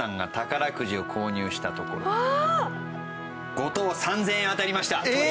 ５等３０００円当たりました！